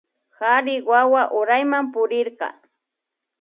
Kari wawa urayman purikurka